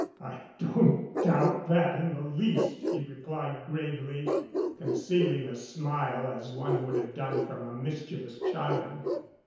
"I don't doubt that in the least," he replied gravely, concealing a smile as one would have done from a mis chievous child.